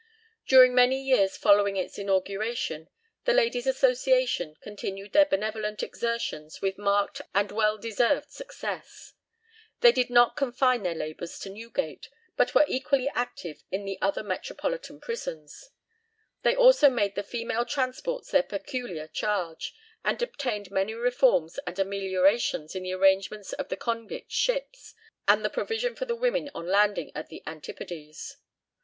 During many years following its inauguration, the "Ladies' Association" continued their benevolent exertions with marked and well deserved success. They did not confine their labours to Newgate, but were equally active in the other metropolitan prisons. They also made the female transports their peculiar charge, and obtained many reforms and ameliorations in the arrangement of the convict ships, and the provision for the women on landing at the Antipodes.